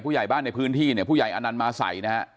ผู้ใหญ่บ้านในพื้นที่เนี่ยผู้ใหญ่อันนั้นมาใส่นะครับ